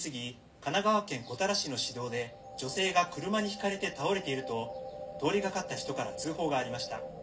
神奈川県古多良市の市道で女性が車にひかれて倒れていると通り掛かった人から通報がありました。